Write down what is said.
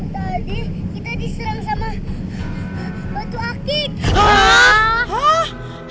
tadi kita diserang sama batu akik